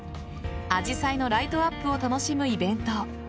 アジサイのライトアップを楽しむイベント。